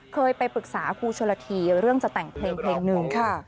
เคยไปปรึกษาครูชนละทีเรื่องจะแต่งเพลงเพลงหนึ่งค่ะ